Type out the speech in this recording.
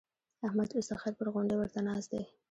احمد اوس د خير پر غونډۍ ورته ناست دی.